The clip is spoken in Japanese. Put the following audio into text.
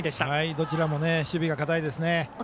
どちらも守備が堅いですね。